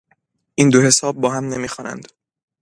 این دو حساب با هم نمی خوانند.